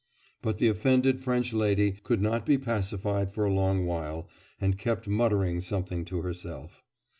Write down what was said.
But the offended French lady could not be pacified for a long while, and kept muttering something to herself.